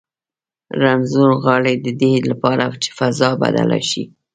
رنځور غاړي د دې لپاره چې فضا بدله شي.